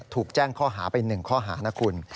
ถูกแจ้งข้อหาไป๑ข้อหานะคุณ